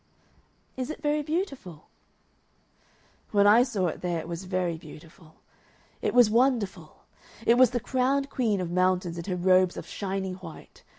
"Is it very beautiful?" "When I saw it there it was very beautiful. It was wonderful. It was the crowned queen of mountains in her robes of shining white.